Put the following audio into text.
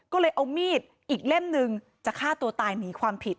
ก็เลยเอามีดอีกเล่มนึงจะฆ่าตัวตายหนีความผิด